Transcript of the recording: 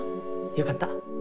よかった。